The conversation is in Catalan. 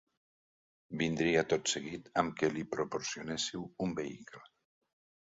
Vindria tot seguit amb que li proporcionéssiu un vehicle.